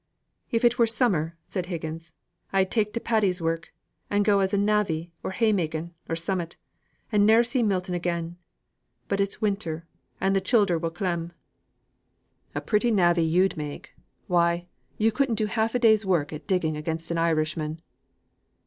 "If it were summer," said Higgins, "I'd take to Paddy's work, and go as a navvy, or haymaking, or summat, and ne'er see Milton again. But it's winter, and th' childer will clem." "A pretty navvy you'd make! why you couldn't do half a day's work at digging against an Irishman."